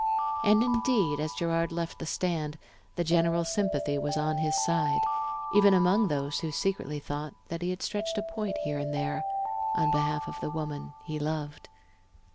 And indeed, as Gerard left the stand, the general sympathy was on his side, even among those who secretly thought that he had stretched a point here and there, on behalf of the woman he loved.